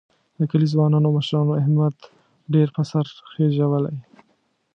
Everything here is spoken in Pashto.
د کلي ځوانانو او مشرانو احمد ډېر په سر خېجولی.